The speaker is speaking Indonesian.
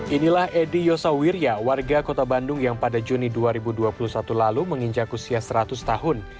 inilah edy yosa wirya warga kota bandung yang pada juni dua ribu dua puluh satu lalu menginjak usia seratus tahun